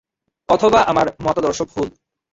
অথবা আমার মতাদর্শ ভুল।